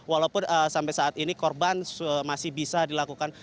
walaupun sampai saat ini korban masih bisa dilakukan